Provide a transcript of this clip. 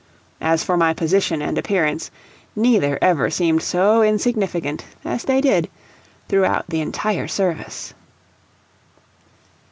As for my position and appearance, neither ever seemed so insignificant as they did throughout the entire service.